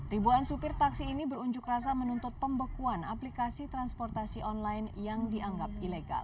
ribuan supir taksi ini berunjuk rasa menuntut pembekuan aplikasi transportasi online yang dianggap ilegal